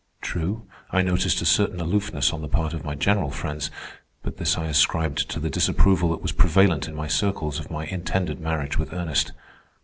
True, I noticed a certain aloofness on the part of my general friends, but this I ascribed to the disapproval that was prevalent in my circles of my intended marriage with Ernest.